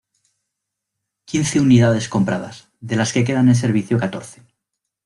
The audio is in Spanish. Quince unidades compradas, de las que quedan en servicio catorce.